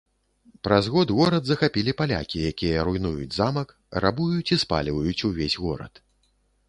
Праз год горад захапілі палякі, якія руйнуюць замак, рабуюць і спальваюць увесь горад.